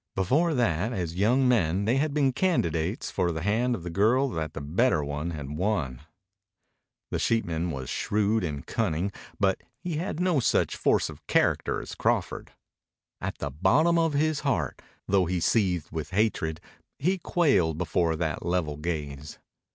Before that, as young men, they had been candidates for the hand of the girl that the better one had won. The sheepman was shrewd and cunning, but he had no such force of character as Crawford. At the bottom of his heart, though he seethed with hatred, he quailed before that level gaze.